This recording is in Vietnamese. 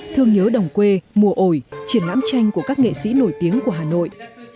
thương nhớ đồng quê mùa ổi triển lãm tranh của các nghệ sĩ nổi tiếng của hà nội